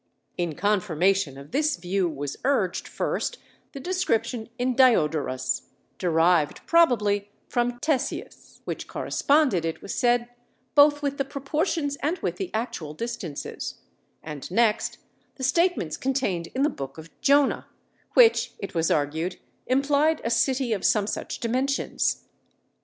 "In confirmation of this view was urged, first, the description in Diodorus, derived probably from Ctesias, which corresponded (it was said) both with the proportions and with the actual distances; and, next, the statements contained in the Book of Jonah, which, it was argued, implied a city of some such dimensions.